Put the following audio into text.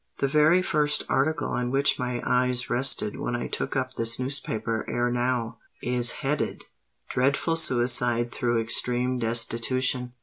The very first article on which my eyes rested when I took up this newspaper ere now, is headed 'Dreadful Suicide through Extreme Destitution.'